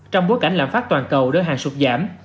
trong bối cảnh lãm phát toàn cầu đối hành sụt giảm